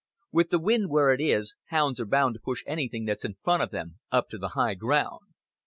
With the wind where it is, hounds are bound to push anything that's in front of them up to the high ground."